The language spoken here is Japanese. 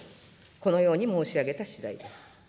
このように申し上げたしだいです。